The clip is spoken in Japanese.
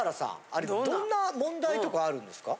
あれどんな問題とかあるんですか？